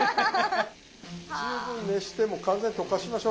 十分熱してもう完全に溶かしましょう。